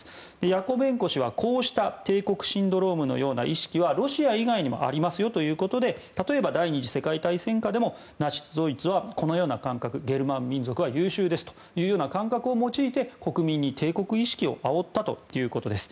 ヤコベンコ氏はこうした帝国シンドロームのような意識はロシア以外にもありますよということで例えば第２次世界大戦下でもナチス・ドイツはこのような感覚、ゲルマン民族は優秀ですというような感覚を用いて国民に帝国意識をあおったということです。